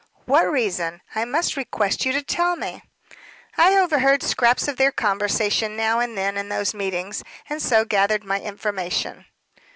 "What reason? I must request you to tell me." "I overheard scraps of their conversation now and then in those meetings, and so gathered my information."